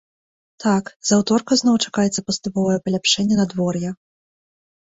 Так, з аўторка зноў чакаецца паступовае паляпшэнне надвор'я.